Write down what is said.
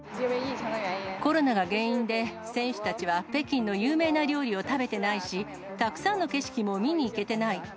コロナが原因で選手たちは北京の有名な料理を食べてないし、たくさんの景色も見に行けてない。